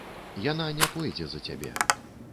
Яна не пойдзе за цябе.